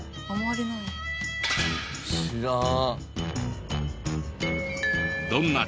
知らん。